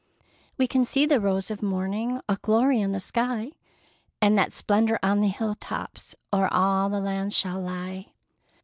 We can see the rose of morning, A glory in the sky, And that splendor on the hill tops O'er all the land shall lie.